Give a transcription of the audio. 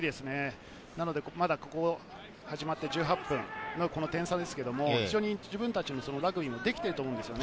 なので始まって１８分、この点差ですけれど、自分たちのラグビーができてると思うんですね。